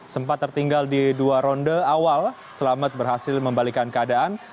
sempat tertinggal di dua ronde awal selamet berhasil membalikan keadaan